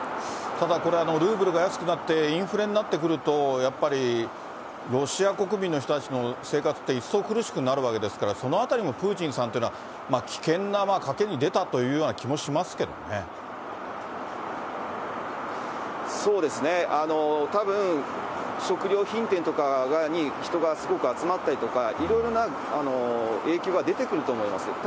ただこれ、ルーブルが安くなって、インフレになってくると、やっぱりロシア国民の人たちの生活って一層苦しくなるわけですから、そのあたりも、ぷーちんさんというのは危険な賭けに出たというような気もしますそうですね、たぶん食料品店とかに人がすごく集まったりとか、いろいろな影響が出てくると思います。